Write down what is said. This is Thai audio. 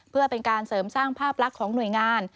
เพื่อเป็นการเสริมสร้างภาพลักษณ์ของหน่วยงาน